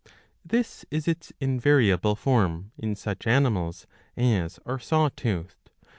This is its invariable form in such animals as are saw toothed.